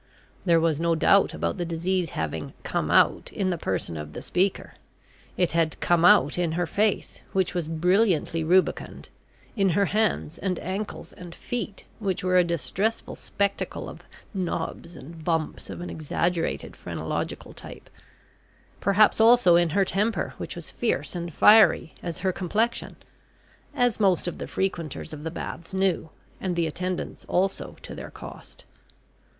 There was no doubt about the disease having "come out" in the person of the speaker. It had "come out" in her face, which was brilliantly rubicund; in her hands, and ankles and feet, which were a distressful spectacle of "knobs" and "bumps" of an exaggerated phrenological type perhaps also in her temper, which was fierce and fiery as her complexion, as most of the frequenters of the Baths knew, and the attendants also, to their cost.